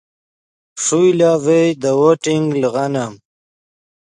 ݰوئے لا ڤئے دے ووٹنگ لیغانم